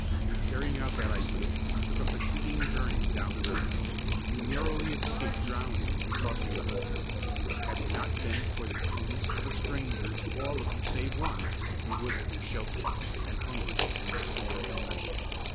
In carrying out that idea you took a fatiguing journey down the river; you narrowly escaped drowning in crossing the Hudson; and had it not been for the kindness of a stranger to all of you save one, you would have been shelterless and hungry in the storm and night.